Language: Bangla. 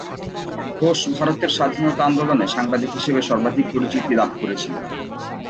ঘোষ ভারতের স্বাধীনতা আন্দোলনে সাংবাদিক হিসাবে সর্বাধিক পরিচিতি লাভ করেছিলেন।